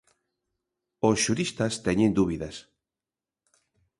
Os xuristas teñen dúbidas.